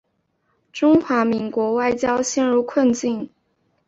中华民国外交陷入困境。